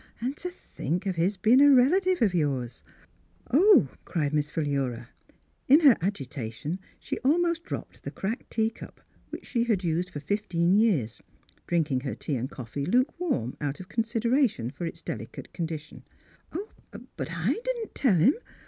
— An' to think of his bein' a relative of yours !"" Oh !" cried Miss Philura. In her agitation she almost dropped the cracked tea cup, which she had used for fifteen years, drinking her tea and coffee luke warm out of consideration for its delicate M^ss Fhilura's Wedding Gown condition. "But I — I didn't tell him.